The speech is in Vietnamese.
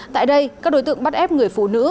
tại đây các đối tượng bắt ép người phụ nữ